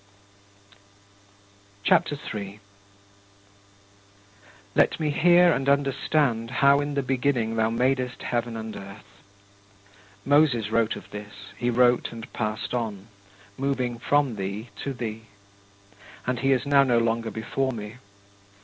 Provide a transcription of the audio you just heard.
CHAPTER III 5. Let me hear and understand how in the beginning thou madest heaven and earth. Moses wrote of this; he wrote and passed on moving from thee to thee and he is now no longer before me.